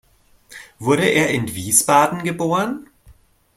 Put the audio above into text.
Wurde er in Wiesbaden geboren?